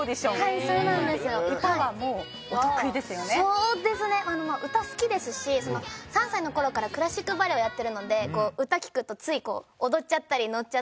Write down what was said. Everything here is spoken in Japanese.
そうですね歌好きですし３歳のころからクラシックバレエをやってるので歌聴くとつい踊っちゃったり乗っちゃったりする癖はあります。